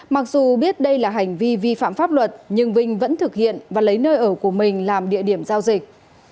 mặc dù biết đây là hành vi vi phạm pháp luật nhưng vinh vẫn thực hiện và lấy nơi ở của mình làm địa điểm giao dịch